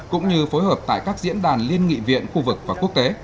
cũng như phối hợp tại các diễn đàn liên nghị viện khu vực và quốc tế